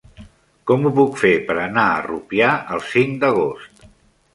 Com ho puc fer per anar a Rupià el cinc d'agost?